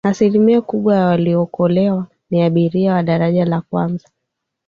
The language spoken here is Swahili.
asilimia kubwa ya waliyookolewa ni abiria wa daraja la kwanza